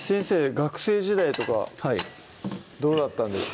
学生時代とかどうだったんですか？